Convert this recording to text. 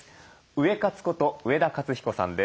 ウエカツこと上田勝彦さんです。